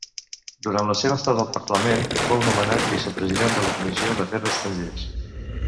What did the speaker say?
Durant la seva estada al Parlament fou nomenat vicepresident de la Comissió d'Afers Estrangers.